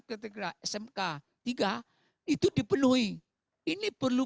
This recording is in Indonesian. ketika smk tiga itu dipenuhi ini perlu